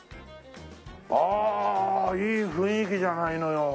ああいい雰囲気じゃないのよ。